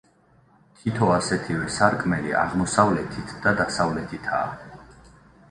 თითო ასეთივე სარკმელი აღმოსავლეთით და დასავლეთითაა.